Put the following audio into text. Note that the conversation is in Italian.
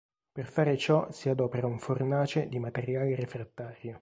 Per fare ciò si adopera un fornace di materiale refrattario.